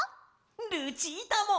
ルチータも！